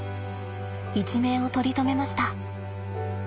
一命を取り留めました。